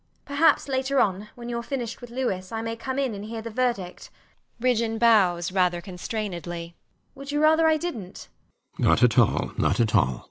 Perhaps later on, when youre finished with Louis, I may come in and hear the verdict. [Ridgeon bows rather constrainedly]. Would you rather I didnt?